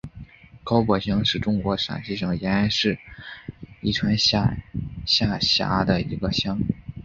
高柏乡是中国陕西省延安市宜川县下辖的一个乡。